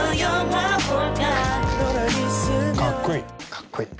かっこいい。